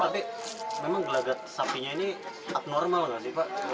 tapi memang gelagat sapinya ini abnormal gak nih pak